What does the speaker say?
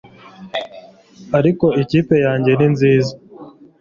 ariko ikipe yanjye ni nziza